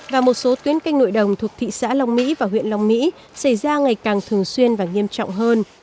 và một số tuyến canh nội đồng thuộc thị xã long mỹ và huyện long mỹ xảy ra ngày càng thường xuyên và nghiêm trọng hơn